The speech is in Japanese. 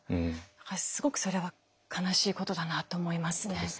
だからすごくそれは悲しいことだなって思いますね。